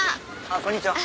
あっこんにちは。